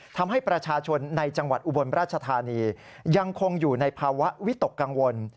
ทำให้ประชาชนในจังหวัดอุบลราชธานียังคงอยู่ในภาวะวิตกกังวล